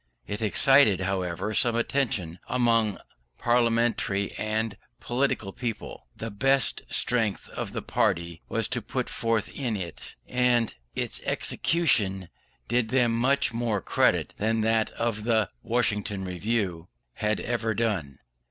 It excited, however, some attention among parliamentary and political people. The best strength of the party was put forth in it; and its execution did them much more credit than that of the Westminster Review had ever done.